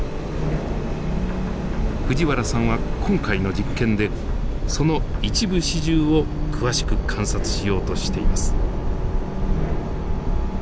藤原さんは今回の実験でその一部始終を詳しく観察しようとしています。